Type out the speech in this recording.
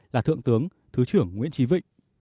là thượng tướng thứ trưởng nguyễn trí vịnh